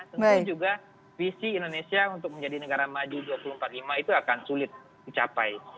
tentu juga visi indonesia untuk menjadi negara maju dua ribu empat puluh lima itu akan sulit dicapai